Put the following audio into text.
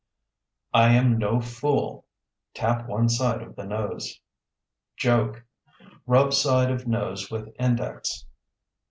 I am no fool (Tap one side of the nose). Joke (Rub side of nose with index).